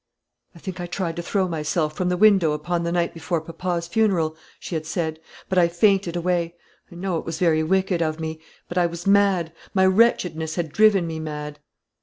"I think I tried to throw myself from the window upon the night before papa's funeral," she had said; "but I fainted away. I know it was very wicked of me. But I was mad. My wretchedness had driven me mad."